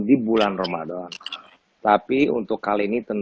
di bulan ramadan